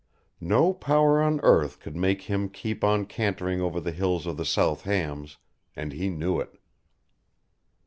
No power on earth could make him keep on cantering over the hills of the South Hams, and he knew it.